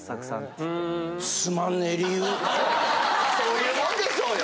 そういうもんでしょうよ。